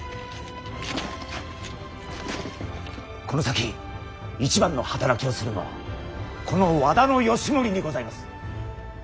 この先一番の働きをするのはこの和田義盛にございます。